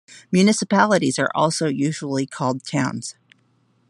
Municipalities are also usually called "towns".